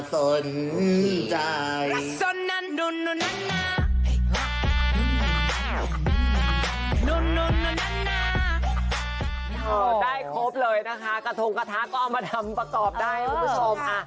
ได้ครบเลยนะคะกระทงกระทะก็เอามาทำประกอบได้คุณผู้ชม